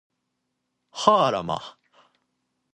はあら、ま